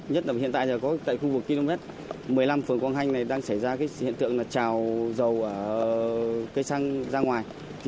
nhất là hiện tại có tại khu vực km một mươi năm phường quang hanh này đang xảy ra hiện tượng trào dầu cây xăng ra ngoài